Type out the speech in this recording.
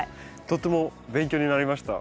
とても勉強になりました。